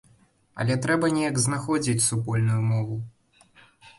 Але трэба неяк знаходзіць супольную мову.